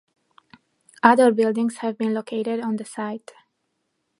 Other buildings have been located on the site.